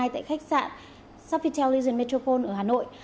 tại khách sạn sofitel legion metropole ở hà nội